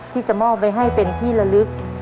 ที่จะมอบไว้ให้เป็นที่ละลึก